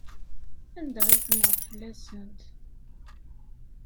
Anda ay temmɣeḍ fell-asent?